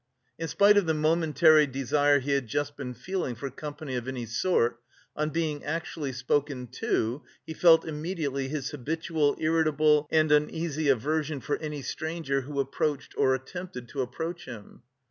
In spite of the momentary desire he had just been feeling for company of any sort, on being actually spoken to he felt immediately his habitual irritable and uneasy aversion for any stranger who approached or attempted to approach him.